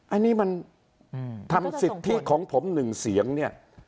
อันนี้มันทำสิทธิของผมหนึ่งเสียงเนี่ย